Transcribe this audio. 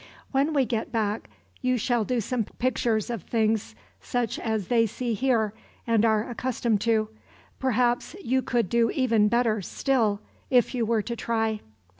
When we get back, you shall do some pictures of things such as they see here, and are accustomed to. Perhaps you could do even better, still, if you were to try."